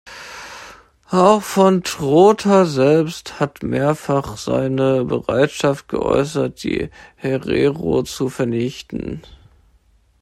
Auch von Trotha selbst hat mehrfach seine Bereitschaft geäußert, die Herero zu vernichten.